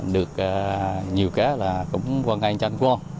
được nhiều cái là cũng quan ngại cho anh quang